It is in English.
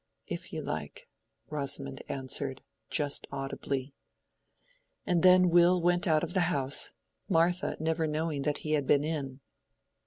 "If you like," Rosamond answered, just audibly. And then Will went out of the house, Martha never knowing that he had been in.